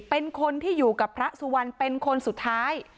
เป็นคนที่อยู่กับพระสุวรรณเป็นคนสุดท้าย